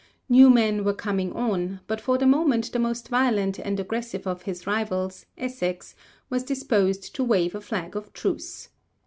New men were coming on, but for the moment the most violent and aggressive of his rivals, Essex, was disposed to wave a flag of truce.